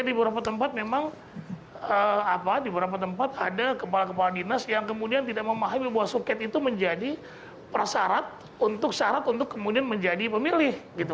di beberapa tempat memang di beberapa tempat ada kepala kepala dinas yang kemudian tidak memahami bahwa suket itu menjadi persyarat untuk syarat untuk kemudian menjadi pemilih gitu